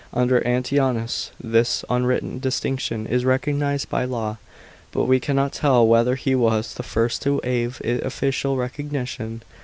Under Antoninus, this unwritten distinction is recognised by law ; but we cannot tell whether he was the first to aive it official recognition.